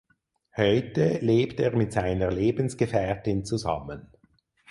Heute lebt er mit seiner Lebensgefährtin zusammen.